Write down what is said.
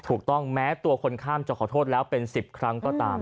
ถูกต้องแม้ตัวคนข้ามจะขอโทษแล้วเป็น๑๐ครั้งก็ตาม